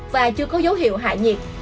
và chưa có dấu hiệu hại nhiệt